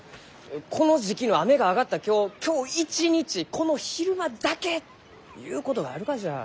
この時期の雨が上がった今日今日一日この昼間だけゆうことがあるがじゃ。